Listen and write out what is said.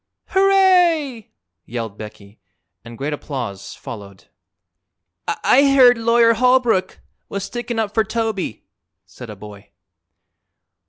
"Hooray!" yelled Becky, and great applause followed. "I heard Lawyer Holbrook was stickin' up for Toby," said a boy.